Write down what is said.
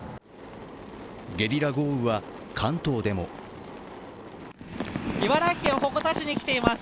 ゲリラ豪雨は関東でも茨城県鉾田市に来ています。